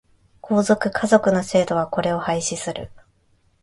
皇族、華族の制度はこれを廃止する。